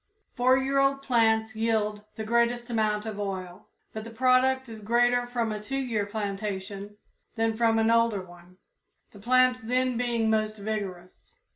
Four year old plants yield the greatest amount of oil, but the product is greater from a two year plantation than from an older one, the plants then being most vigorous.